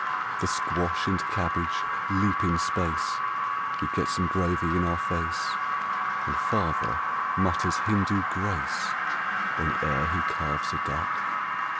The squash and cabbage leap in space We get some gravy in our face And Father mutters Hindu grace Whene'er he carves a duck.